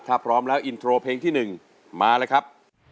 ถ้าพร้อมแล้วอินโทรเพลงที่๑มาเลยครับ